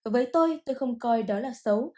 với tôi tôi không coi đó là xấu